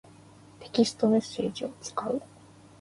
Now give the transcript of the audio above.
テキストメッセージを使う。